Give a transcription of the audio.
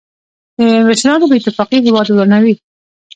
د مشرانو بې اتفاقي هېواد ورانوي.